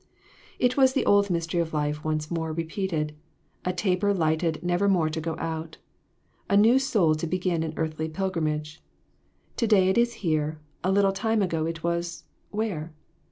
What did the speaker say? It was the old mystery of life once more repeated a taper lighted never more to go out! A new soul to begin an earthly pilgrimage ! To day it is here, a lit le time ago it w .s where